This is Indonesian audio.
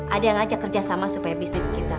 ada yang ngajak kerjasama supaya bisnis kita